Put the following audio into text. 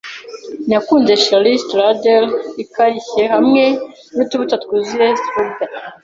Nakunze cheri strudel ikarishye hamwe nutubuto twuzuye strudel.